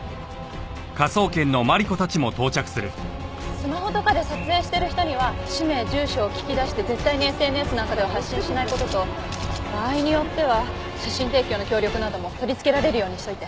スマホとかで撮影してる人には氏名住所を聞き出して絶対にＳＮＳなんかでは発信しない事と場合によっては写真提供の協力なども取り付けられるようにしておいて。